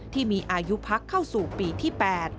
ที่มีอายุพักเข้าสู่ปีที่๘